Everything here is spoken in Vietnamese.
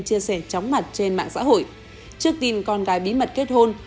chia sẻ chóng mặt trên mạng xã hội trước tin con gái bí mật kết hôn